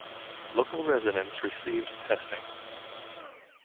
Local residents received testing.